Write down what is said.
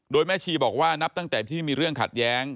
โดยแม่ชีบอกว่านับตั้งแต่ที่มีเรื่องขัดแย้ง